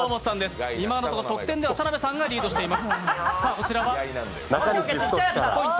今のところ、得点では田辺さんがリードしています。